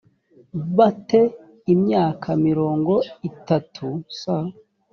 ba te imyaka mirongo itatu s